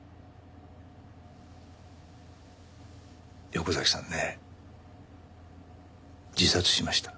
横崎さんね自殺しました。